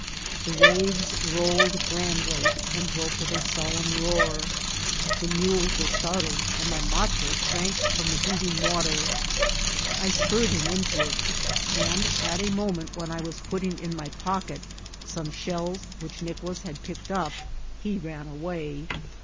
The waves rolled grandly, and broke with a solemn roar. The mules were startled, and my macho shrank from the heaving water. I qmrred him into it, and at a mo* ment when I was putting in my po<^et some shells which Nicolas had picked up, he ran away.